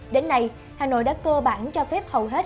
đến nay hà nội đã cơ bản cho phép hầu hết